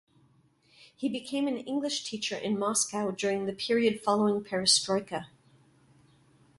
He became an English teacher in Moscow during the period following perestroika.